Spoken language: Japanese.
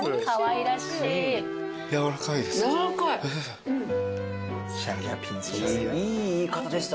いい言い方でしたね。